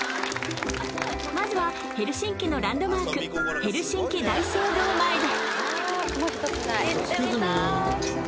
まずはヘルシンキのランドマーク、ヘルシンキ大聖堂で。